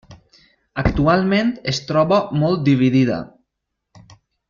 Actualment es troba molt dividida.